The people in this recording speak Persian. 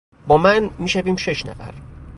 با من میشویم شش نفر.